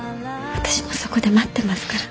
私もそこで待ってますから。